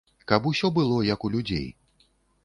Каб усё было як у людзей.